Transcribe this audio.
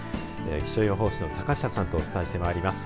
気象予報士の坂下さんとお伝えしてまいります。